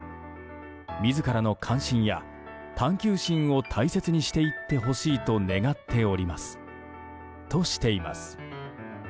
さまざまな経験を重ねながら自らの関心や探求心を大切にしていってほしいと願っておりますとしています。